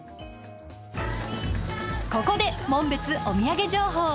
ここで紋別お土産情報。